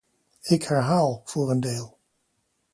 Ik herhaal, voor een deel.